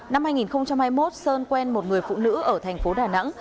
năm hai nghìn hai mươi một sơn quen một người phụ nữ ở tp đà nẵng